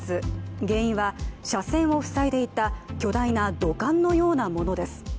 原因は、車線を塞いでいた巨大な土管のようなものです。